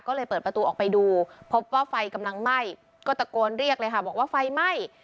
ก็เลยเปิดประตูออกไปดูพบว่าไฟกำลังไหม้ก็ตะโกนเรียกเลยค่ะบอกว่าไฟไหม้